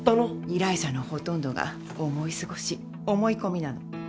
依頼者のほとんどが思い過ごし思い込みなの。